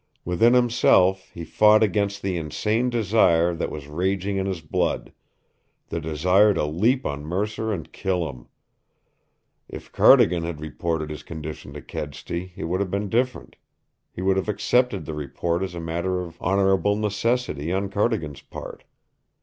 Within himself he fought against the insane desire that was raging in his blood, the desire to leap on Mercer and kill him. If Cardigan had reported his condition to Kedsty, it would have been different. He would have accepted the report as a matter of honorable necessity on Cardigan's part.